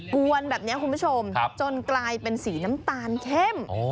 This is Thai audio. กวนแบบนี้คุณผู้ชมจนกลายเป็นสีน้ำตาลเข้ม